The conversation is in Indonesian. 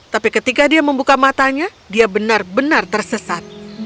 tapi ketika dia membuka matanya dia benar benar tersesat